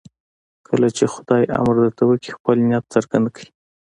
کله چې خدای امر درته وکړي خپل نیت څرګند کړئ.